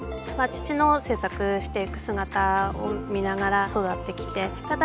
父の制作していく姿を見ながら育ってきてただ